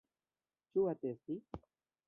Ĉu atesti?